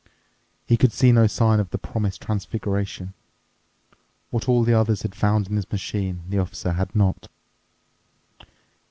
He could discover no sign of the promised transfiguration. What all the others had found in the machine, the Officer had not.